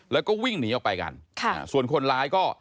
แล้วก็วิ่งหนีออกไปกันค่ะส่วนคนร้ายก็